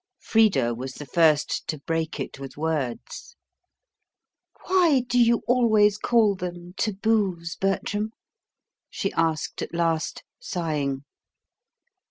Frida was the first to break it with words. "Why do you always call them taboos, Bertram?" she asked at last, sighing.